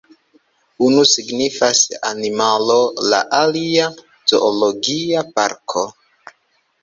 Unu signifas ”animalo”, la alia ”zoologia parko”.